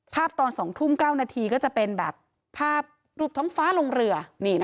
ตอน๒ทุ่ม๙นาทีก็จะเป็นแบบภาพรูปท้องฟ้าลงเรือ